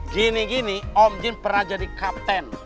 gini gini om jin pernah jadi kapten